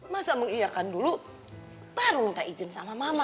masa mengiakan dulu baru minta izin sama mama